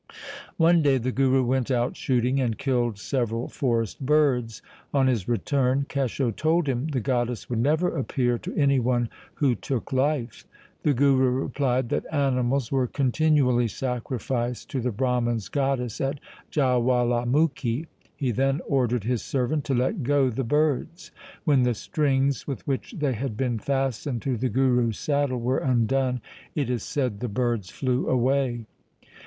One day the Guru went out shooting and killed several forest birds. On his return Kesho told him the goddess would never appear to any one who took life. The Guru replied that animals were continually sacrificed to the Brahman's goddess at Jawala mukhi. He then ordered his servant to let go the birds. When the strings with which they had been fastened to the Guru's saddle were undone, it is said, the birds flew away.